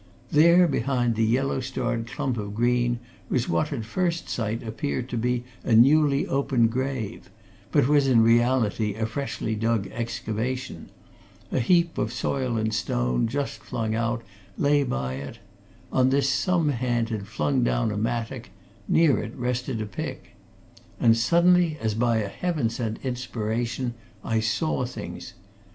There behind the yellow starred clump of green was what at first sight appeared to be a newly opened grave, but was in reality a freshly dug excavation; a heap of soil and stone, just flung out, lay by it; on this some hand had flung down a mattock; near it rested a pick. And suddenly, as by a heaven sent inspiration, I saw things.